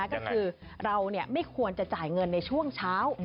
ก็คือเราไม่ควรจะจ่ายเงินในช่วงเช้า